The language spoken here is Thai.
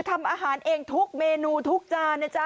ทำอาหารเองทุกเมนูทุกจานนะจ๊ะ